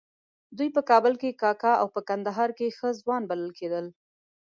دوی په کابل کې کاکه او په کندهار کې ښه ځوان بلل کېدل.